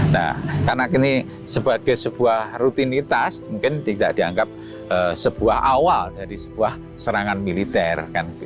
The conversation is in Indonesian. nah karena ini sebagai sebuah rutinitas mungkin tidak dianggap sebuah awal dari sebuah serangan militer